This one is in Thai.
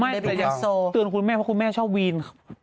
ไม่แต่อยากเตือนคุณแม่เพราะคุณแม่ชอบวีน